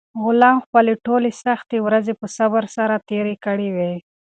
غلام خپلې ټولې سختې ورځې په صبر سره تېرې کړې وې.